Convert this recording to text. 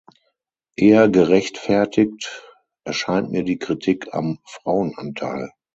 Eher gerechtfertigt erscheint mir die Kritik am Frauenanteil.